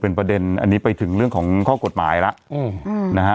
เป็นประเด็นอันนี้ไปถึงเรื่องของข้อกฎหมายแล้วนะฮะ